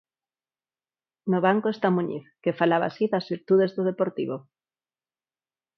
No banco está Muñiz, que falaba así das virtudes do Deportivo.